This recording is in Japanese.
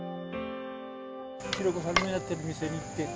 ひろ子さんのやっている店に行って。